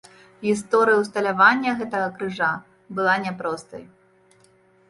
Гісторыя ўсталявання гэтага крыжа была няпростай.